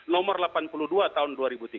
nomor delapan puluh dua tahun dua ribu tiga belas